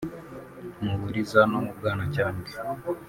mu Buriza no mu Bwanacyambwe